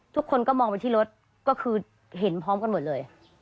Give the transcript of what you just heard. ทุกคนก็มองไปที่รถก็คือเห็นพร้อมกันหมดเลย